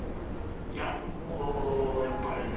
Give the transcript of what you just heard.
いやもうやっぱりね目が。